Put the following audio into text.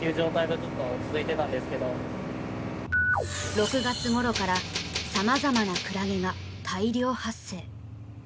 ６月ごろから様々なクラゲが大量発生。